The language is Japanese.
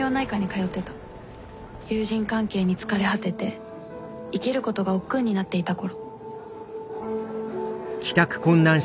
友人関係に疲れ果てて生きることがおっくうになっていた頃。